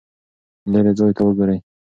لیرې ځای ته وګورئ.